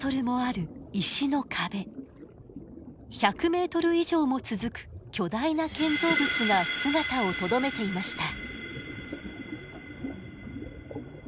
１００メートル以上も続く巨大な建造物が姿をとどめていました。